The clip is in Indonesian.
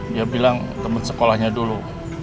dia bilang teman sekolahnya dulu